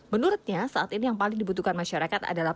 menurutnya saat ini yang paling dibutuhkan masyarakat adalah